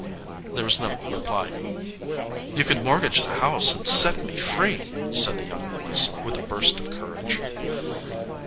There was no reply. "You could mortgage the house and set me free," said the young voice, with a burst of courage.